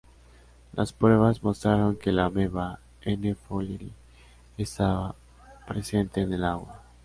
Las pruebas mostraron que la ameba N.fowleri estaba presente en el agua.